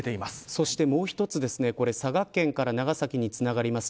そしてもう一つ佐賀県から長崎につながります